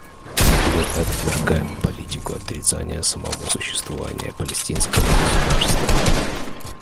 Мы отвергаем политику отрицания самого существования палестинского государства.